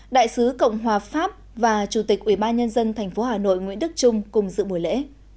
đại sứ cộng hòa pháp và chủ tịch ủy ban nhân dân tp hà nội nguyễn đức trung cùng dự buổi lễ